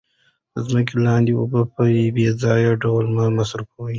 د ځمکې لاندې اوبه په بې ځایه ډول مه مصرفوئ.